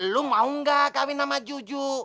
lo mau gak kawin sama juju